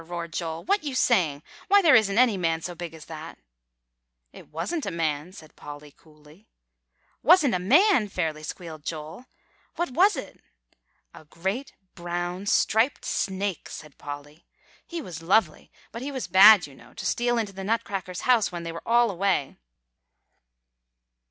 roared Joel, "what you saying? why, there isn't any man so big as that." "It wasn't a man," said Polly coolly. "Wasn't a man?" fairly squealed Joel; "what was it?" "A great brown, striped snake," said Polly; "he was lovely, but he was bad you know, to steal into the Nutcrackers' house when they were all away."